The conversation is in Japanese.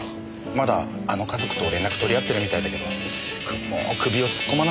まだあの家族と連絡取り合ってるみたいだけどもう首を突っ込まない方が。